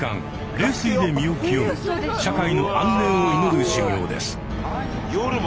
冷水で身を清め社会の安寧を祈る修行です。